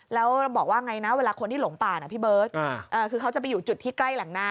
แล้วบอกว่าไงนะเวลาคนที่หลงป่านะพี่เบิร์ตคือเขาจะไปอยู่จุดที่ใกล้แหล่งน้ำ